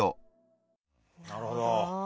なるほど。